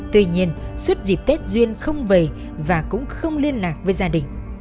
tuy nhiên suốt dịp tết duyên không về và cũng không liên lạc với gia đình